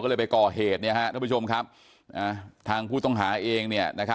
ก็เลยไปก่อเหตุท่านผู้ชมครับทางผู้ต้องหาเอง